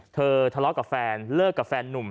ทะเลาะกับแฟนเลิกกับแฟนนุ่ม